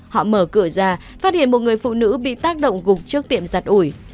họ mở cửa ra phát hiện một người phụ nữ bị tác động gục trước tiệm giặt ủi